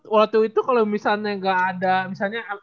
waktu itu kalau misalnya nggak ada misalnya